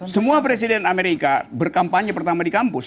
semua presiden amerika berkampanye pertama di kampus